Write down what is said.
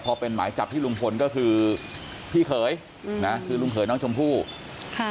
พอเป็นหมายจับที่ลุงพลก็คือพี่เขยอืมนะคือลุงเขยน้องชมพู่ค่ะ